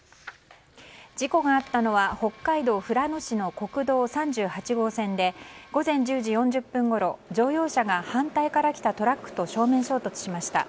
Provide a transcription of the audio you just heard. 事故があったのは北海道富良野市の国道３８号線で午前１０時４０分ごろ乗用車が反対から来たトラックと正面衝突しました。